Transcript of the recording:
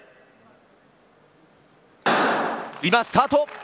今、スタート。